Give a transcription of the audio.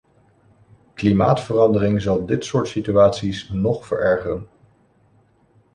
Klimaatverandering zal dit soort situaties nog verergeren.